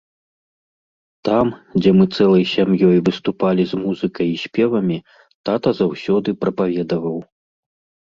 Там, дзе мы цэлай сям'ёй выступалі з музыкай і спевамі, тата заўсёды прапаведаваў.